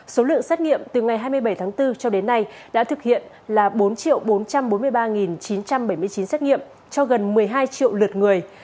số lượng xét nghiệm từ ngày hai mươi bảy tháng bốn cho đến nay đã thực hiện là bốn bốn trăm bốn mươi ba chín trăm bảy mươi chín xét nghiệm cho gần một mươi hai triệu lượt người